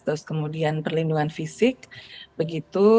terus kemudian perlindungan fisik begitu